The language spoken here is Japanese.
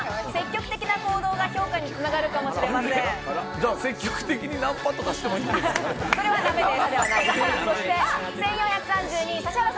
じゃあ積極的にナンパとかしそれはだめです。